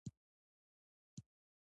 غوښې د افغانانو پر ژوند پوره اغېزمن کوي.